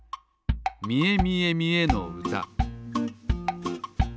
「みえみえみえの歌」